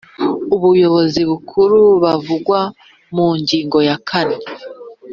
ubuyobozi bukuru bavugwa mu ngingo ya kane